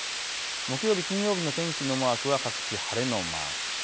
木曜日、金曜日の天気のマークは各地晴れのマーク。